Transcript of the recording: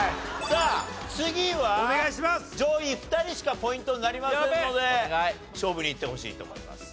さあ次は上位２人しかポイントになりませんので勝負にいってほしいと思います。